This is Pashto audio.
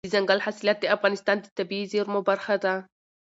دځنګل حاصلات د افغانستان د طبیعي زیرمو برخه ده.